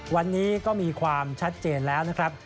วันนี้ก็มีความชัดเจนแล้วนะครับ